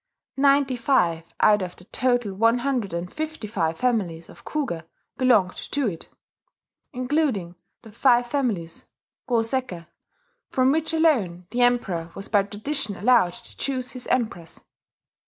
Ninety five out of the total one hundred and fifty five families of Kuge belonged to it, including the five families, Go Sekke, from which alone the Emperor was by tradition allowed to choose his Empress.